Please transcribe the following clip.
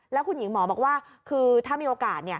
แล้วคุณหญิงหมอบอกว่าคือถ้ามีโอกาส